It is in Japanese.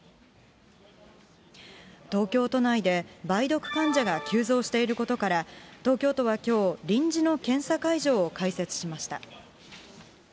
東京都内で梅毒患者が急増していることから、東京都はきょう、臨時の検査会場を開設しました。